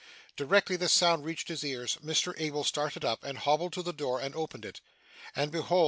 Directly this sound reached his ears, Mr Abel started up, and hobbled to the door, and opened it; and behold!